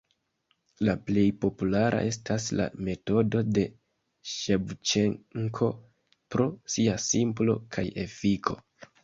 La plej populara estas la metodo de Ŝevĉenko pro sia simplo kaj efiko.